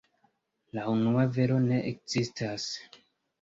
La unua vero ne ekzistas.